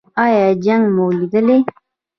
ایا جنګ مو لیدلی؟